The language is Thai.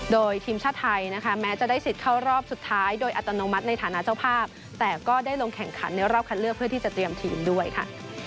โดยทีมชาติไทยนะคะแม้จะได้สิทธิ์เข้ารอบสุดท้ายโดยอัตโนมัติในฐานะเจ้าภาพแต่ก็ได้ลงแข่งขันในรอบคัดเลือกเพื่อที่จะเตรียมทีมด้วยค่ะ